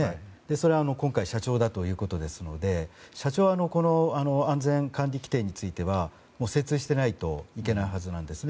それは今回社長だということですので社長は安全管理規程については精通していないといけないわけです。